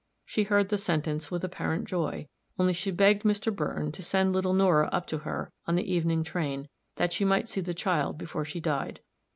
She heard the sentence with apparent joy; only she begged Mr. Burton to send little Nora up to her, on the evening train, that she might see the child before she died.